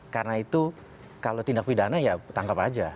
karena itu kalau tindak pidana ya tangkap aja